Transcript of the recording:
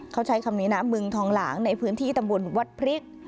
เขาใช้คำนี้นะเมืองทองหลางในพื้นที่ตำบลวัดพริก